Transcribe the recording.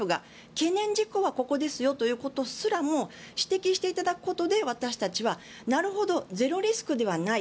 懸念事項はここですよということすらも指摘していただくことで私たちは、なるほどゼロリスクではない。